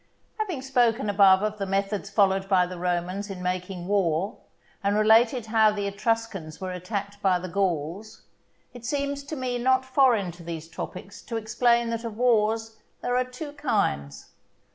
Having spoken above of the methods followed by the Romans in making war, and related how the Etruscans were attacked by the Gauls, it seems to me not foreign to these topics to explain that of wars there are two kinds.